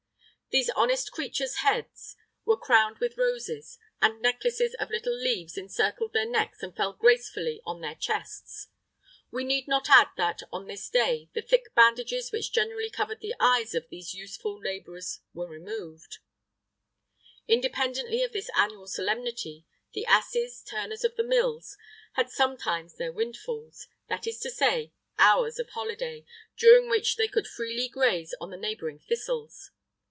These honest creatures' heads[III 24] were crowned with roses, and necklaces of little leaves encircled their necks and fell gracefully on their chests;[III 25] we need not add that, on this day, the thick bandages which generally covered the eyes of these useful labourers were removed.[III 26] Independently of this annual solemnity, the asses, turners of the mills, had sometimes their windfalls, that is to say, hours of holiday, during which they could freely graze on the neighbouring thistles.